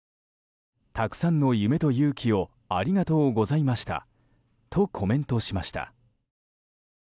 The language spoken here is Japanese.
たくさんの夢と勇気をありがとうございましたとコメントしました。